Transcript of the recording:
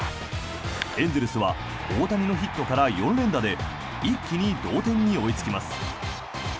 エンゼルスは大谷のヒットから４連打で一気に同点に追いつきます。